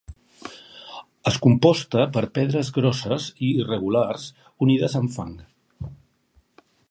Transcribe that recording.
És composta per pedres grosses i irregulars unides amb fang.